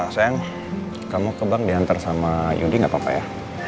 sayang kamu ke bank diantar sama yudi gak apa apa ya